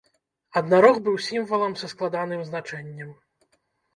Аднарог быў сімвалам са складаным значэннем.